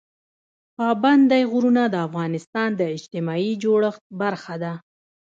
پابندی غرونه د افغانستان د اجتماعي جوړښت برخه ده.